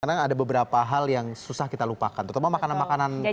karena ada beberapa hal yang susah kita lupakan terutama makanan makanan